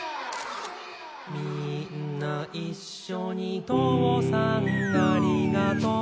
「みーんないっしょにとうさんありがとう」